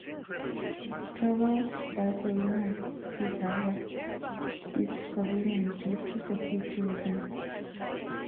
Travel by foreigners to Darra is forbidden due to security reasons.